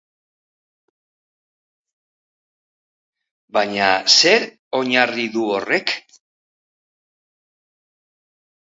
Baina zer oinarri du horrek?